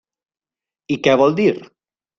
I què vol dir?